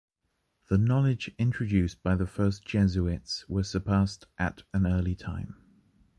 The knowledge introduced by the first Jesuits were surpassed at an early time.